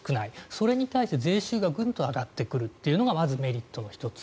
それに対して税収がグンと上がってくるというのがまずメリットの１つ。